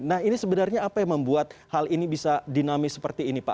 nah ini sebenarnya apa yang membuat hal ini bisa dinamis seperti ini pak